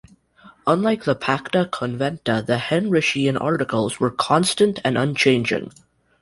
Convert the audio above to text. Unlike the "pacta conventa", the Henrician Articles were constant and unchanging.